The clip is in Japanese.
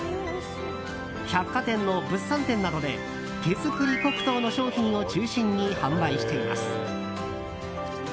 百貨店の物産展などで手作り黒糖の商品を中心に販売しています。